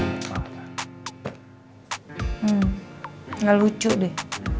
hmm gak lucu deh